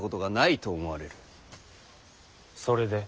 それで？